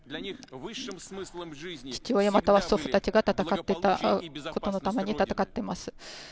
父親、または祖父たちが戦っていたことのために戦っています。